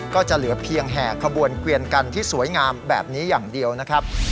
ก็จะเหลือเพียงแห่ขบวนเกวียนกันที่สวยงามแบบนี้อย่างเดียวนะครับ